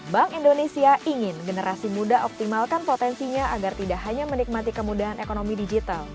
bank indonesia ingin generasi muda optimalkan potensinya agar tidak hanya menikmati kemudahan ekonomi digital